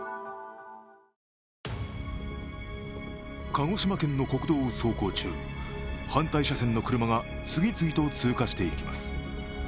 鹿児島県の国道を走行中反対車線の車が次々と通過していきます。